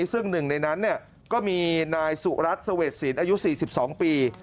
ซึ่งหนึ่งในนั้นเนี่ยก็มีนายสุรัสตร์สเวสินอายุ๔๒ปี